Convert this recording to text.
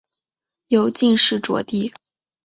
由进士擢第。